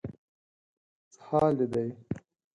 څه حال دې دی؟